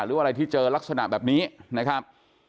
หรืออะไรที่เจอลักษณะแบบนี้นะครับ